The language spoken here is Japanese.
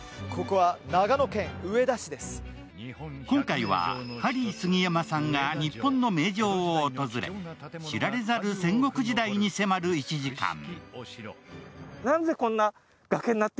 今回は、ハリー杉山さんが日本の名城を訪れ、知られざる戦国時代に迫る１時間。